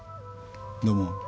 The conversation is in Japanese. どうも！